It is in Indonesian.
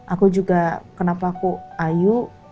aku juga kenapa aku ayu